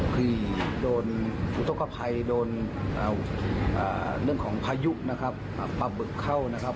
ที่โดนอุทธกภัยโดนเรื่องของพายุนะครับปลาบึกเข้านะครับ